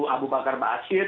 abu bakar basir